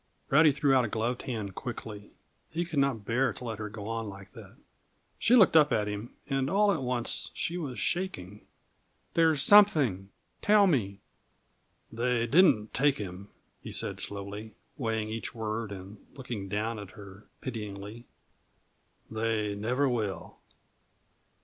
Rowdy threw out a gloved hand quickly. He could not bear to let her go on like that. She looked up at him, and all at once she was shaking. "There's something tell me!" "They didn't take him," he said slowly, weighing each word and looking down at her pityingly "They never will.